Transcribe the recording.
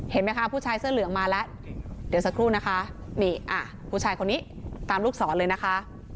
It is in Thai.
เห็นไหมคะผู้ชายเสื้อเหลืองมาแล้วเดี๋ยวสักครู่นะคะนี่ผู้ชายคนนี้ตามลูกศรเลยนะคะ